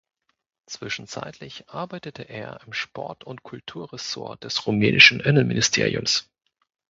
Zwischenzeitlich arbeitete er im Sport- und Kulturressort des rumänischen Innenministeriums.